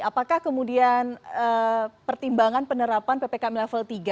apakah kemudian pertimbangan penerapan ppkm level tiga